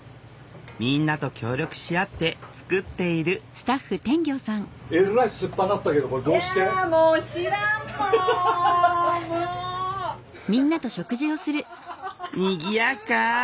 みんなと協力し合って作っているにぎやか。